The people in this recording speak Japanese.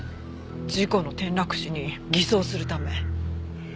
事故の転落死に偽装するため。